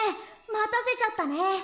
またせちゃったね。